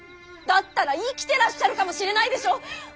だったら生きてらっしゃるかもしれないでしょう。